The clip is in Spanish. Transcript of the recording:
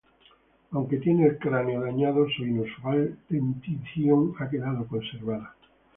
Aunque tiene el cráneo dañado, su inusual dentición ha quedado conservada.